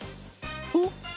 おっ！